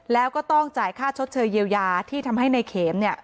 แล้วก็ต้องจ่ายค่าชดเชยเยียวยาที่ทำให้ในเข็มเนี่ย